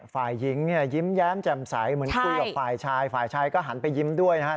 ฝ่ายหญิงเนี่ยยิ้มแย้มแจ่มใสเหมือนคุยกับฝ่ายชายฝ่ายชายก็หันไปยิ้มด้วยนะครับ